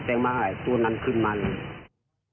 เจ๊งมาหายตัวนั้นขึ้นมาเลย